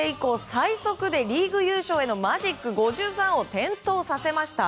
最速でリーグ優勝マジック５３を点灯させました。